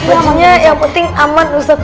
bacunya yang penting aman ustaz